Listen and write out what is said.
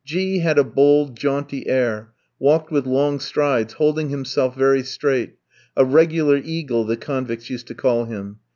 G kof had a bold, jaunty air, walked with long strides, holding himself very straight; "a regular eagle," the convicts used to call him.